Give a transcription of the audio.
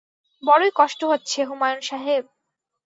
বড়ই কষ্ট হচ্ছে হুমায়ূন সাহেব!